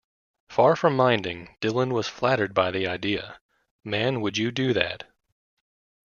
Far from minding, Dylan was flattered by the idea: Man, would you do that?